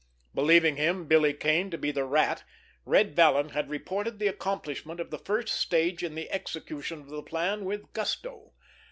Believing him, Billy Kane, to be the Rat, Red Vallon had reported the accomplishment of the first stage in the execution of the plan with gusto.